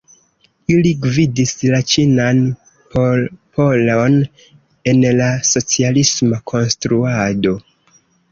Ili gvidis la ĉinan popolon en la socialisma konstruado.